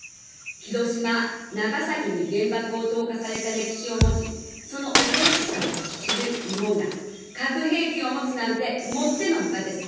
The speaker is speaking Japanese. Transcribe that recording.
広島・長崎に原爆を投下された歴史を持ち、その恐ろしさを知る日本が、核兵器を持つなんてもってのほかです。